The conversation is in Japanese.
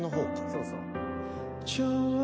そうそう。